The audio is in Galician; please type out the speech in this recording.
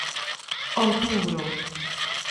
Outubro.